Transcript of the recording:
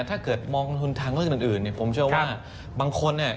ถ้าเกิดมองลงทุนทางเรื่องอื่นเนี่ยผมเชื่อว่าบางคนเนี่ย